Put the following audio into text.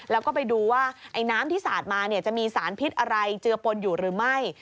แล้วก็ไปดูว่าไอ้น้ำที่สาดมาจะมีสารพิษอะไรเจือปนอยู่หรือไม่